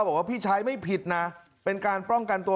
บอกว่าพี่ชายไม่ผิดนะเป็นการป้องกันตัว